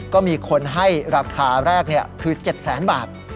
ก็มีคนให้ราคาแรกเนี้ยคือเจ็ดแสนบาท